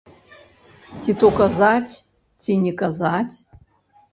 Ці то казаць, ці не казаць?